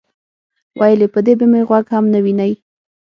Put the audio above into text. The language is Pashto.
ویل یې: په دې به مې غوږ هم نه وینئ.